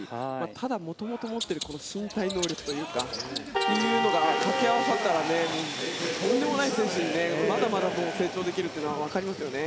ただ、元々持っている身体能力というか掛け合わさったらとんでもない選手にまだまだ成長できるのはわかりますよね。